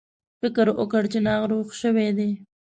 فکر وکړ چې ناروغ شوي دي.